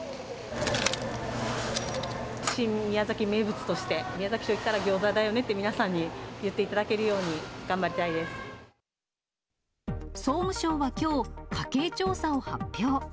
新宮崎名物として、宮崎といったらギョーザだよねって皆さんに言っていただけるよう総務省はきょう、家計調査を発表。